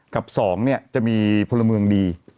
กับ๒เนี่ยจะมีพลเมืองดี